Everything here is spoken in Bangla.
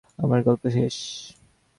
আমার গল্প শেষ।